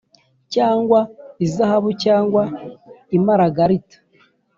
cyangwa izahabu cyangwa imaragarita